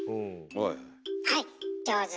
はい上手。